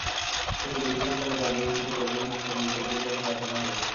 সেই বৈঠকের পরেই রাজ্য কমিটির অভিমত কেন্দ্রীয় কমিটির কাছে পাঠানো হবে।